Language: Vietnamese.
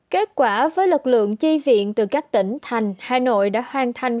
kết quả với lực lượng chi viện từ các tỉnh thành hà nội đã hoàn thành